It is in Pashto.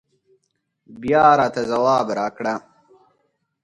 بيا راته ځواب راکړه